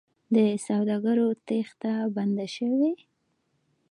د سوداګرو تېښته بنده شوې؟